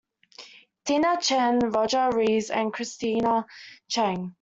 Tina Chen, Roger Rees and Christina Chang.